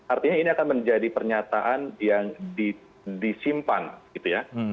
artinya ini akan menjadi pernyataan yang disimpan gitu ya